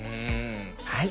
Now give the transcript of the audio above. はい。